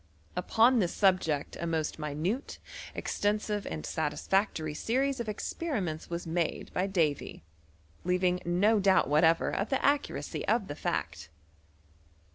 Upon this subject a most minute, extensive, and satisfactory series of experiments was made by Davy, leavmg no doubt whatever of the accuracy of the £aict.